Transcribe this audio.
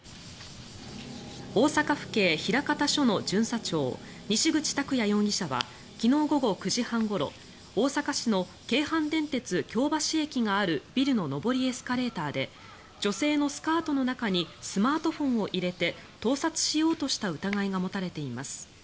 大阪府警枚方署の巡査長西口卓弥容疑者は昨日午後９時半ごろ、大阪市の京阪電鉄京橋駅があるビルの上りエスカレーターで女性のスカートの中にスマートフォンを入れて盗撮しようとした疑いが持たれています。